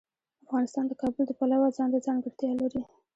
افغانستان د کابل د پلوه ځانته ځانګړتیا لري.